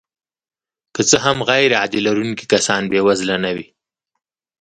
که څه هم غیرعاید لرونکي کسان بې وزله نه وي